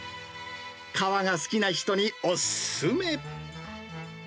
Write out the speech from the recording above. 皮が好きな人にお勧め。